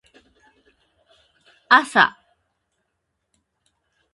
朝